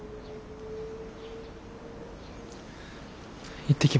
行ってきます。